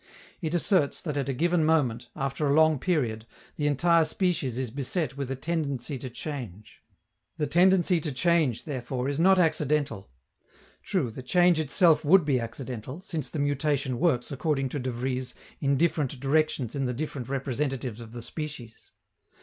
It asserts that at a given moment, after a long period, the entire species is beset with a tendency to change. The tendency to change, therefore, is not accidental. True, the change itself would be accidental, since the mutation works, according to De Vries, in different directions in the different representatives of the species.